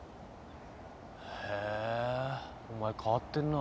へぇお前変わってんな。